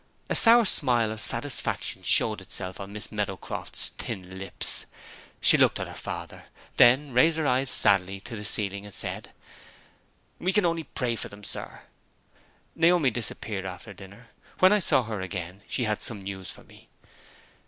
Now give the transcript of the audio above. A sour smile of satisfaction showed itself on Miss Meadowcroft's thin lips. She looked at her father; then raised her eyes sadly to the ceiling, and said, "We can only pray for them, sir." Naomi disappeared after dinner. When I saw her again, she had some news for me.